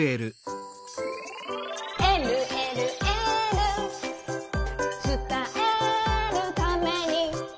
「えるえるエール」「つたえるために」